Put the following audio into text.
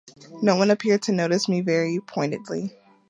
No one appeared to notice me very pointedly.